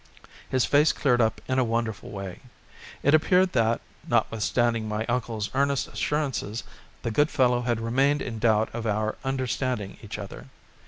His face cleared up in a wonderful way. It appeared that, notwithstanding my uncle's earnest assurances, the good fellow had remained in doubt of our understanding each other.